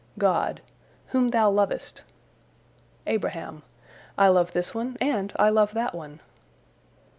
God: "Whom thou lovest." Abraham: "I love this one and I love that one."